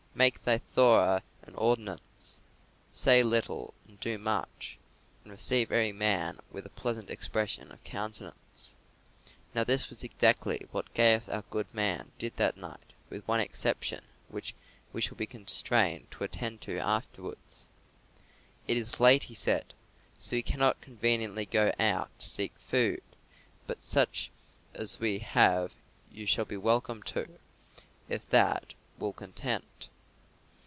Make thy Thorah an ordinance: say little and do much: and receive every man with a pleasant expression of countenance." Now, this was exactly what Gaius our goodman did that night, with one exception, which we shall be constrained to attend to afterwards. "It is late," he said, "so we cannot conveniently go out to seek food; but such as we have you shall be welcome to, if that will content."